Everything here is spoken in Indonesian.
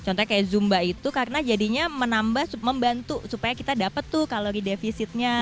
contohnya kayak zumba itu karena jadinya menambah membantu supaya kita dapat tuh kalori defisitnya